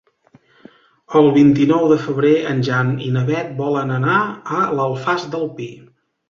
El vint-i-nou de febrer en Jan i na Beth volen anar a l'Alfàs del Pi.